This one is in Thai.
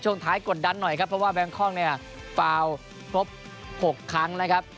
ท้ายกดดันหน่อยครับเพราะว่าแบงคอกเนี่ยฟาวครบ๖ครั้งนะครับ